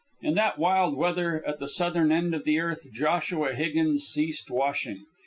In that wild weather at the southern end of the earth, Joshua Higgins ceased washing.